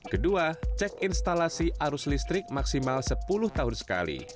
kedua cek instalasi arus listrik maksimal sepuluh tahun sekali